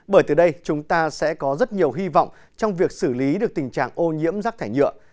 bởi từ đây chúng ta sẽ có rất nhiều hy vọng trong việc xử lý được tình trạng ô nhiễm rác thải nhựa